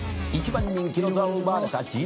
「１番人気の座を奪われたＧⅠ馬」